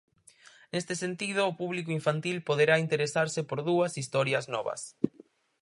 Neste sentido, o público infantil poderá interesarse por dúas historias novas.